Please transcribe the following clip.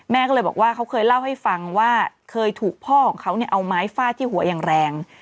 แม่ก็เลยบอกว่าเขาเคยเล่าให้ฟังว่าเคยถูกพ่อของเขาเอาไม้ฟาดที่หัวอย่างแรง